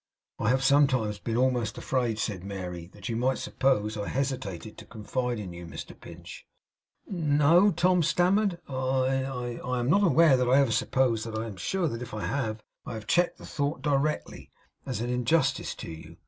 'I have sometimes been almost afraid,' said Mary, 'that you might suppose I hesitated to confide in you, Mr Pinch.' 'No,' Tom stammered, 'I I am not aware that I ever supposed that. I am sure that if I have, I have checked the thought directly, as an injustice to you.